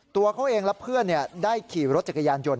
ตัวเขาเองและเพื่อนได้ขี่รถจักรยานยนต